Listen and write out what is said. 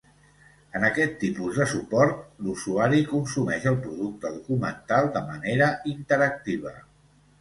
En aquest tipus de suport, l'usuari consumeix el producte documental de manera interactiva.